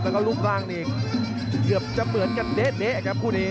แล้วก็รูปร่างนี่เกือบจะเหมือนกันเด๊ะครับคู่นี้